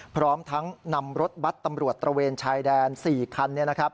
พร้อมทั้งนำรถบัตรตำรวจตระเวนชายแดน๔คัน